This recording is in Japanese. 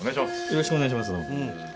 よろしくお願いします。